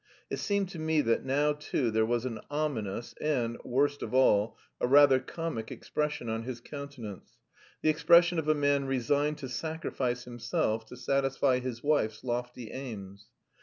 It seemed to me that now, too, there was an ominous, and, worst of all, a rather comic expression on his countenance, the expression of a man resigned to sacrifice himself to satisfy his wife's lofty aims....